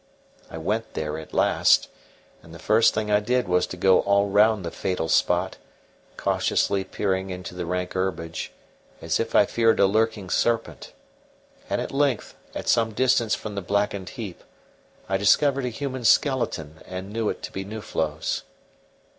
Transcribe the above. I went there at last; and the first thing I did was to go all round the fatal spot, cautiously peering into the rank herbage, as if I feared a lurking serpent; and at length, at some distance from the blackened heap, I discovered a human skeleton, and knew it to be Nuflo's.